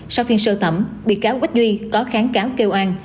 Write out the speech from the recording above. sau phiên sơ thẩm bị cáo quách duy có kháng cáo kêu an